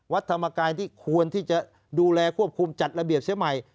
ธรรมกายที่ควรที่จะดูแลควบคุมจัดระเบียบเสียใหม่